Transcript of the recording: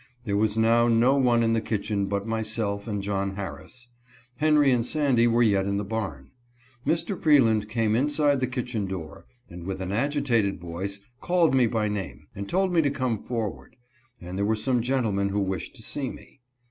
There was now no one in the kitchen but myself and John Har ris ; Henry and Sandy were yet in the barn. Mr. Free land came inside the kitchen door, and, with an agitated voice, called me by name, and told me to come forward ; that there were some gentlemen who wished to see me.